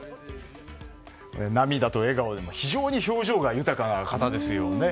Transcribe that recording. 涙と笑顔で非常に表情が豊かな方ですね。